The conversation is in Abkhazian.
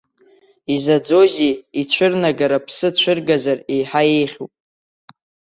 Изаӡозеи, ицәырнагар, аԥсы цәыргазар еиҳа еиӷьуп.